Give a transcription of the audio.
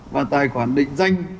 và tài khoản định danh